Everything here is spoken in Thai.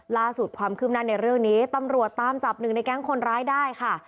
ล่าสุดความคืบหน้าในเรื่องนี้ตำรวจตามจับหนึ่งในแก๊งคนร้ายได้ค่ะ